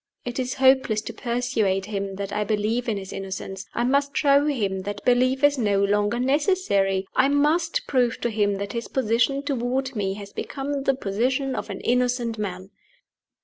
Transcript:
It is hopeless to persuade him that I believe in his innocence: I must show him that belief is no longer necessary; I must prove to him that his position toward me has become the position of an innocent man!"